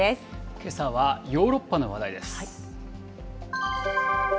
けさはヨーロッパの話題です。